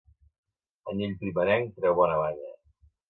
Anyell primerenc treu bona banya.